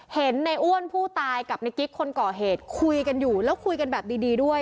เห็นในอ้วนผู้ตายกับในกิ๊กคนก่อเหตุคุยกันอยู่แล้วคุยกันแบบดีด้วย